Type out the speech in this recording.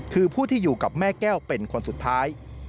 คือผู้ที่อยู่กับแม่แก้วเป็นคนสุดท้าย